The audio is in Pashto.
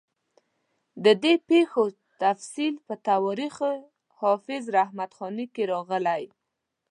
د دې پېښو تفصیل په تواریخ حافظ رحمت خاني کې راغلی.